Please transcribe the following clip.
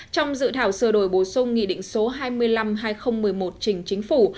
trong dự thảo sửa đổi bổ sung nghị định số hai mươi năm hai nghìn một mươi một trình chính phủ